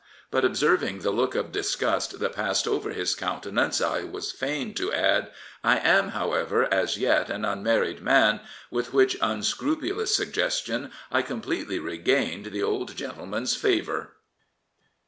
But observing the look of disgust that passed over his countenance I was fain to add, " I am, however, as yet an unmarried man," with which unscrupulous suggestion I completely regained the old gentleman's favour.